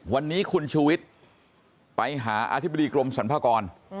วันนี้คุณชูวิทย์ไปหาอธิบดีกรมสรรพากร